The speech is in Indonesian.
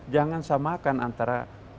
jangan samakan antara